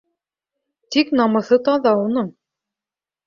Тик намыҫы таҙа уның.